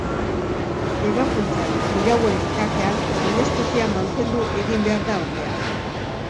Ebakuntzak dirauen bitartean anestesia mantendu egin behar da ordea.